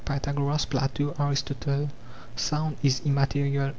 Pythagoras, Plato, Aristotle: Sound is immaterial.